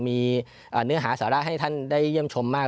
มีเนื้อหาสาระให้ท่านได้เยี่ยมชมมาก